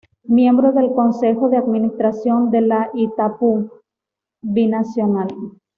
Miembro del Consejo de Administración de la Itaipú Binacional.